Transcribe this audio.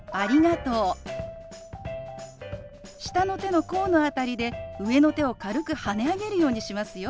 下の手の甲の辺りで上の手を軽くはね上げるようにしますよ。